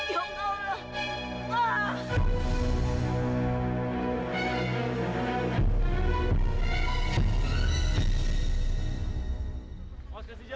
ya udah kita bisa